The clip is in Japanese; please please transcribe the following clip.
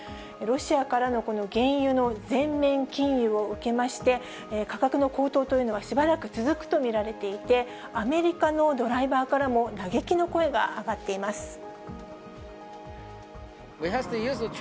ロシアからのこの原油の全面禁輸を受けまして、価格の高騰というのはしばらく続くと見られていて、アメリカのドライバーからも嘆きの声が上がっています。